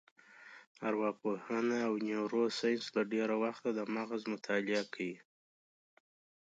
ارواپوهنه او نیورو ساینس له ډېره وخته د مغز مطالعه کوي.